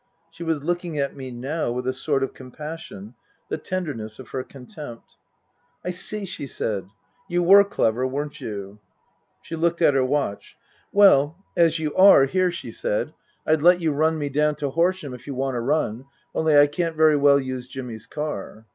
She was looking at me now with a sort of compassion, the tenderness of her contempt. " I see," she said. " You were clever, weren't you ?" She looked at her watch. " Well, as you are here," Book II : Her Book 241 she said, " I'd let you run me down to Horsham, if you want a run, only I can't very well use Jimmy's car."